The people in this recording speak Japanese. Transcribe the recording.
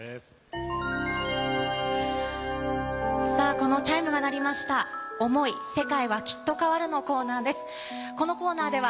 このチャイムが鳴りました「想い世界は、きっと変わる」のコーナーです。